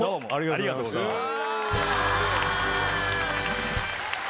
ありがとうございます。